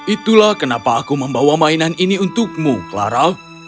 itulah kenapa aku membawa mainan ini untukmu clara